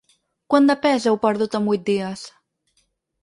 Quant de pes heu perdut en vuit dies?